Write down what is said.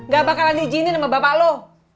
gak bakalan dijinin sama bapak lu